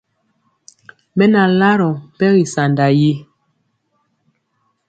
Mɛ na larɔ mpɛgi sanda nii.